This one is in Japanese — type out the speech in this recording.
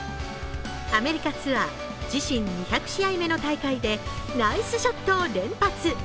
アメリカツアー自身２００試合目の大会でナイスショットを連発。